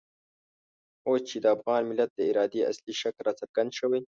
اوس چې د افغان ملت د ارادې اصلي شکل را څرګند شوی.